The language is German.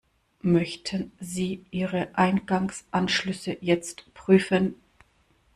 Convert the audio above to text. Möchten Sie Ihre Eingangsanschlüsse jetzt prüfen?